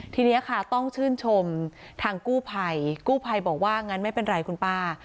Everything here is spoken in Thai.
ทีนี้ค่ะต้องชื่นชมทางกู้ภัยกู้ภัยบอกว่างั้นไม่เป็นไรคุณป้า